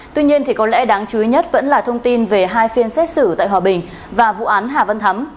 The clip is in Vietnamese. tuy nhiên thì có lẽ đáng chú ý nhất vẫn là thông tin về hai phiên xét xử tại hòa bình và vụ án hà văn thắm